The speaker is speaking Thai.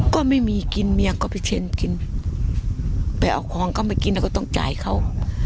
ก็ไม่มีกินเมียก็ไปเช็นกินไปเอาของเขามากินแล้วก็ต้องจ่ายเขา